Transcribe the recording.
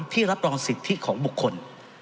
รับรองสิทธิของบุคคล